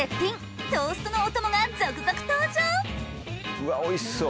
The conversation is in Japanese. うわおいしそう。